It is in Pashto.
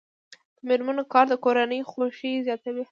د میرمنو کار د کورنۍ خوښۍ زیاتوي.